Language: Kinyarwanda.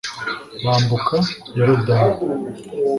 bambuka yorudani